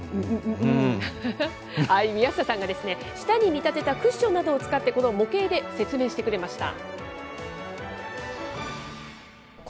宮下さんが舌に見立てたクッションなどを使って、この模型で説明してくれました。